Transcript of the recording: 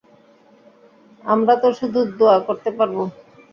আমরা তো শুধু দোয়া করতে পারবো?